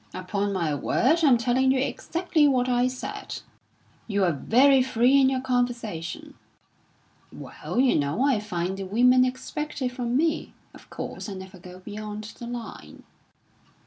"Upon my word, I'm telling you exactly what I said." "You're very free in your conversation." "Well, you know, I find the women expect it from me. Of course, I never go beyond the line."